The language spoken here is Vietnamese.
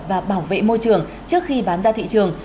và bảo vệ môi trường trước khi bán ra thị trường